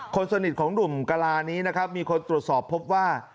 คนสนิทของหนุ่มกะลานี้นะครับมีคนตรวจสอบพบว่า